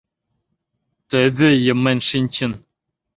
— Тӧвӧ йымен шинчын.